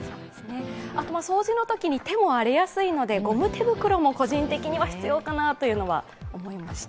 あと掃除のときに手も荒れやすいのでゴム手袋も個人的には必要かなと思いました。